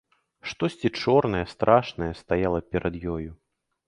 Штосьці чорнае, страшнае стаяла перад ёю.